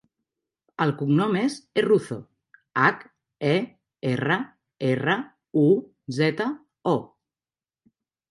El cognom és Herruzo: hac, e, erra, erra, u, zeta, o.